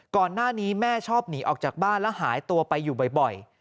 ก่อนหน้านี้แม่ชอบหนีออกจากบ้านแล้วหายตัวไปอยู่บ่อย